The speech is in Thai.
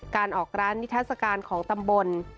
การออกร้านนิทัศกาลของตำบล